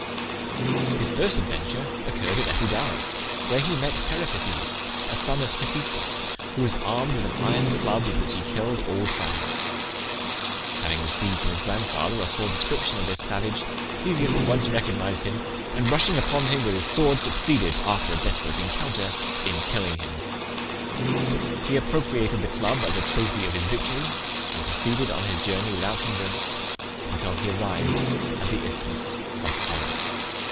His first adventure occurred at Epidaurus, where he met Periphetes, a son of Hephaestus, who was armed with an iron club, with which he killed all travellers. Having received from his grandfather a full description of this savage, Theseus at once recognized him, and rushing upon him with his sword, succeeded after a desperate encounter in killing him. He appropriated the club as a trophy of his victory, and proceeded on his journey without hinderance until he arrived at the Isthmus of Corinth.